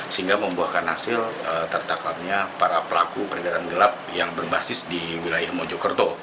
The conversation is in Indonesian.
sehingga membuahkan hasil tertangkapnya para pelaku peredaran gelap yang berbasis di wilayah mojokerto